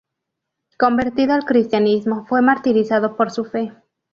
Convertido al cristianismo, fue martirizado por su fe.